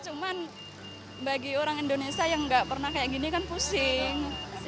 cuman bagi orang indonesia yang nggak pernah kayak gini kan pusing